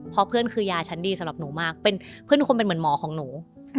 เพราะเพื่อนคือยาชั้นดีสำหรับหนูมากเป็นเพื่อนทุกคนเป็นเหมือนหมอของหนู